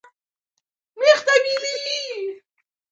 چې دوی زما یوه وینا له بلې وینا سره ایډیټ و نشر کړې